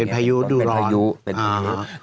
เป็นภายุดูร้อนเป็นภายุ